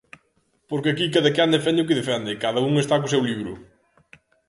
Porque aquí cadaquén defende o que defende e cada un está co seu libro.